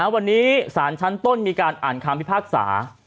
วันนี้สารชั้นต้นมีการอ่านคำพิพากษา